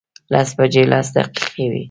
لس بجې لس دقیقې وې.